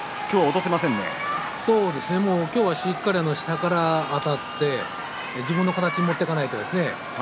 そうですね、今日はしっかりと下からあたって自分の形に持っていかないとですね。